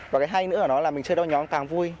và cái hay nữa là mình chơi đo nhóm càng vui